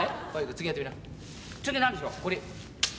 これ。